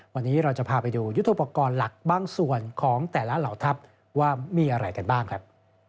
วันนี้เราจะพาไปดูยุทธโปรกรณ์หลักบางส่วนของแต่ละเหล่าทัพว่ามีอะไรกันบ้างครับ